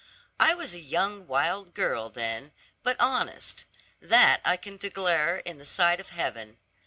I was a young wild girl then, but honest; that I can declare in the sight of Heaven.